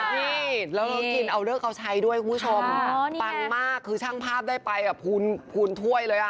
แล้วต้องกินเอาเลียขาวชัยด้วยคุณผู้ชมปังมากเค้าช่างภาพได้ไปหูนถ้วยเลย